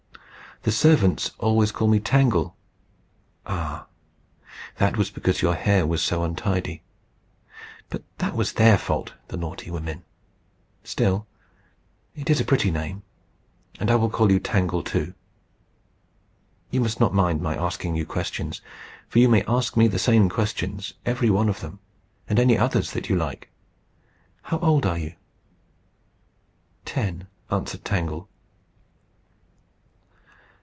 "The servants always call me Tangle." "Ah, that was because your hair was so untidy. But that was their fault, the naughty women! Still it is a pretty name, and I will call you Tangle too. You must not mind my asking you questions, for you may ask me the same questions, every one of them, and any others that you like. How old are you?" "Ten," answered Tangle.